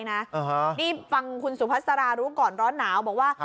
นี่ฟังคุณสุพัสรารู้ก่อนร้อนหนาวบอกว่า